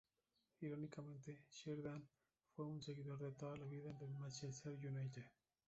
Irónicamente, Sheridan fue un seguidor de toda la vida del Manchester United.